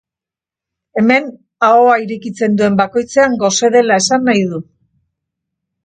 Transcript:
Hemen ahoa irekitzen duen bakoitzean gose dela esan nahi du.